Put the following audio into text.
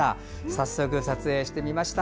早速撮影してみました。